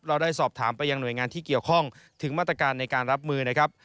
เราได้สอบถามไปยังหน่วยงานที่เกี่ยวข้องถึงมาตรการในการรับมือนะครับ